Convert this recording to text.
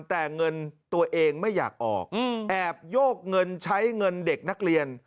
แต่เงินตัวเองไม่อยากออกแอบโยกเงินใช้เงินเด็กนักเรียน